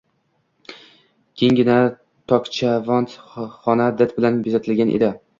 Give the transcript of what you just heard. Kenggina, tokchavand xona did bilan bezatilgan edi.